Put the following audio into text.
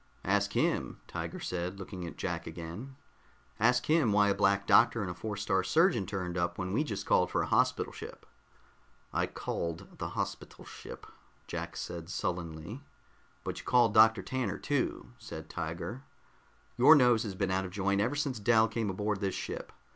"Ask him," Tiger said, looking at Jack again. "Ask him why a Black Doctor and a Four star Surgeon turned up when we just called for a hospital ship." "I called the hospital ship," Jack said sullenly. "But you called Dr. Tanner too," said Tiger. "Your nose has been out of joint ever since Dal came aboard this ship.